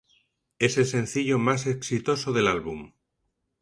Es el sencillo más exitoso del álbum.